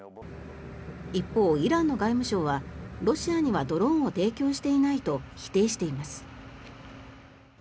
一方、イランの外務省はロシアにはドローンを提供していないと否定しています。